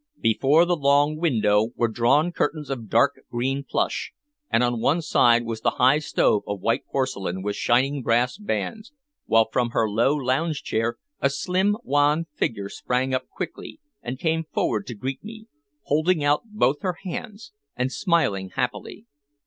Before the long window were drawn curtains of dark green plush, and on one side was the high stove of white porcelain with shining brass bands, while from her low lounge chair a slim wan figure sprang up quickly and came forward to greet me, holding out both her hands and smiling happily.